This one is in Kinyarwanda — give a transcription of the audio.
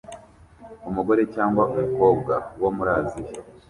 Umugore cyangwa umukobwa wo muri Aziya